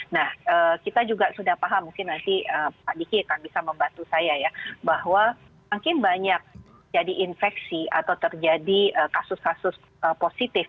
nah kita juga sudah paham mungkin nanti pak diki akan bisa membantu saya ya bahwa makin banyak jadi infeksi atau terjadi kasus kasus positif